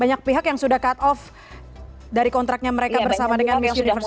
banyak pihak yang sudah cut off dari kontraknya mereka bersama dengan miss universe